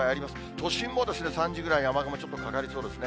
都心も３時ぐらいに雨雲、ちょっとかかりそうですね。